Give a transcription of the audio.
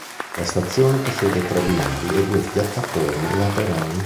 La stazione possiede tre binari e due piattaforme laterali.